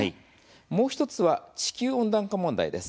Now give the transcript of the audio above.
もう１つは地球温暖化問題です。